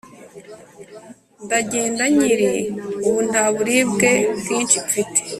ndagenda nkira ubu ntaburibwe bwinshi mfite"